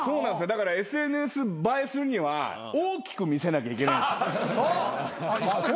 だからＳＮＳ映えするには大きく見せなきゃいけない。